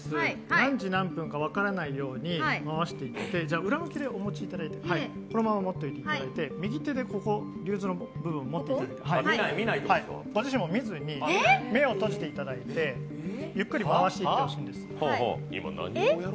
何時何分か分からないように回していって、裏向きでお持ちいただいてこのまま持っていていただいて右手でリューズの部分を持っていただいて、ご自身も見ずに目を閉じていただいてゆっくり回していってほしいんです。